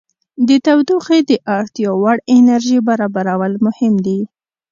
د تودوخې د اړتیا وړ انرژي برابرول مهم دي.